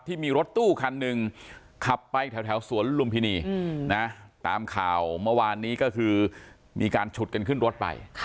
ที่มีรถตู้คันหนึ่งขับไปแถวสวนลุมพินีนะตามข่าวเมื่อวานนี้ก็คือมีการฉุดกันขึ้นรถไป